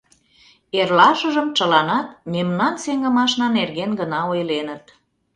Эрлашыжым чыланат мемнан сеҥымашна нерген гына ойленыт.